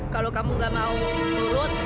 kalau kamu gak mau turut